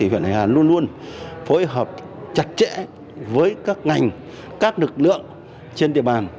huyện hải hà luôn luôn phối hợp chặt chẽ với các ngành các lực lượng trên địa bàn